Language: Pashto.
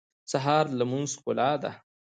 سهار د لمونځ ښکلا ده.